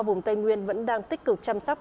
vùng tây nguyên vẫn đang tích cực chăm sóc